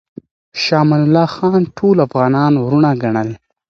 شاه امان الله خان ټول افغانان وروڼه ګڼل.